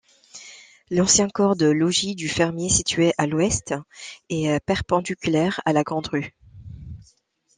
L'ancien corps de logis du fermier, situé à l'ouest, est perpendiculaire à la Grand'Rue.